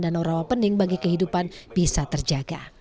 danau rawa pening bagi kehidupan bisa terjaga